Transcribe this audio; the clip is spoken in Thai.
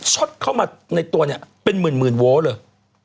ช็อตเข้ามาในตัวเนี่ยเป็นหมื่นโวลเลย